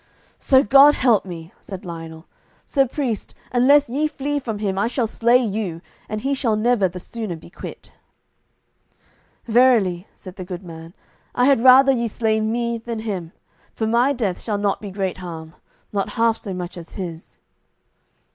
"So God me help," said Lionel, "sir priest, unless ye flee from him I shall slay you, and he shall never the sooner be quit." "Verily," said the good man, "I had rather ye slay me than him, for my death shall not be great harm, not half so much as his."